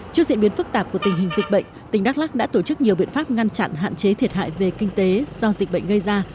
trước diễn biến phức tạp của tình hình dịch bệnh tỉnh đắk lắc đã tổ chức nhiều biện pháp ngăn chặn hạn chế thiệt hại về kinh tế do dịch bệnh gây ra